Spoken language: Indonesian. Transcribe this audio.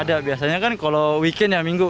ada biasanya kan kalau weekend ya minggu